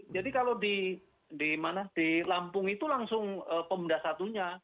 jadi kalau di lampung itu langsung pemda satunya